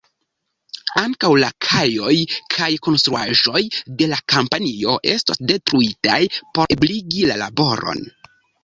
Ankaŭ la kajoj kaj konstruaĵoj de la kompanio estos detruitaj por ebligi la laboron.